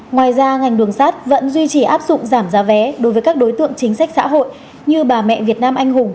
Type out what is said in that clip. ngoài ra ngành đường sắt vẫn duy trì áp dụng giảm giá vé đối với các đối tượng chính sách xã hội như bà mẹ việt nam anh hùng